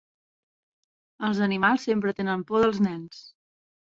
Els animals sempre tenen por dels nens.